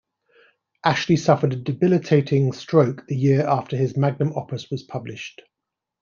Ashley suffered a debilitating stroke the year after his magnum opus was published.